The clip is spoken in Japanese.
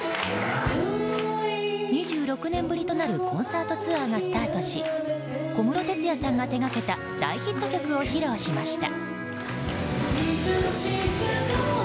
２６年ぶりとなるコンサートツアーがスタートし小室哲哉さんが手掛けた大ヒット曲を披露しました。